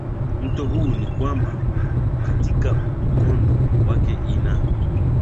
mto huu ni kwamba katika mkondo wake ina